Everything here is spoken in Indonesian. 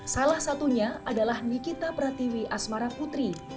salah satunya adalah nikita pratiwi asmara putri